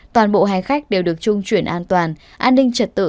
toàn bộ hành khách đều được trung chuyển an toàn an ninh trật tự